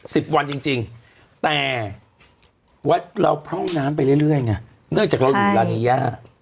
สิบวันจริงแต่ว่าเราเพราะน้ำไปเรื่อยไงเนื่องจากเราอยู่หลานิยา